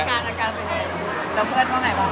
อาการเป็นไงแล้วเพื่อนเขาไหนบ้าง